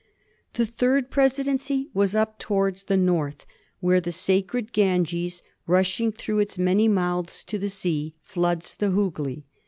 The third presidency was up towards the north, where the sa cred Ganges, rushing through its many mouths to the sea, floods the Hoogly.